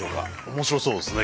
面白そうですね